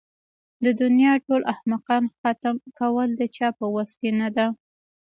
د دنيا ټول احمقان ختم کول د چا په وس کې نه ده.